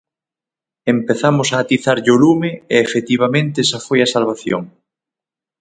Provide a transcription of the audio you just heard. Empezamos a atizarlle ao lume e efectivamente esa foi a salvación.